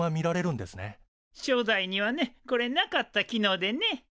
初代にはねこれなかった機能でね。